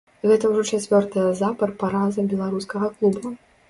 Гэта ўжо чацвёртая запар параза беларускага клуба.